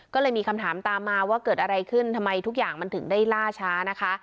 ก็เลยมีคำถามตามมาว่าเกิดอะไรขึ้นทำไมทุกอย่างมันถึงได้ล่าช้านะคะ